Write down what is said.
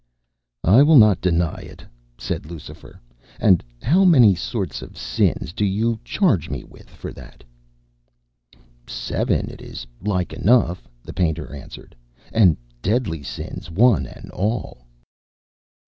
"I will not deny it," said Lucifer. "And how many sorts of sins do you charge me with for that?" "Seven, it is like enough," the painter answered, "and deadly sins one and all."